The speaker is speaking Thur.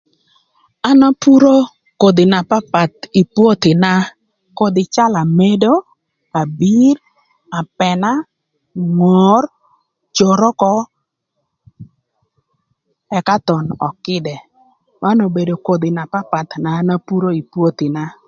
An apuro kodhi na papath ï pwothina, kodhi calö amedo, abir, apëna, ngor, coroko, ëka thon ökïdë. Man obedo kodhi na papath na an apuro ï pwothina.